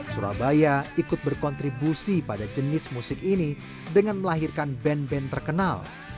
surabaya ikut berkontribusi pada jenis musik ini dengan melahirkan band band terkenal